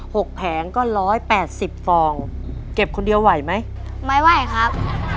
หกแผงก็ร้อยแปดสิบฟองเก็บคนเดียวไหวไหมไม่ไหวครับ